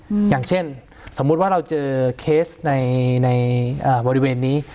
อย่างเช่นสมมุติว่าเราเจอเคสในในอ่าบริเวณนี้